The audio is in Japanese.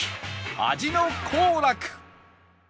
味の幸楽